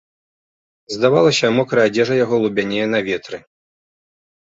Здавалася, мокрая адзежа яго лубянее на ветры.